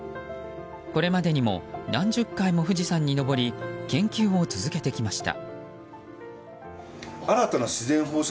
これまでにも何十回も富士山に登り研究を続けてきました。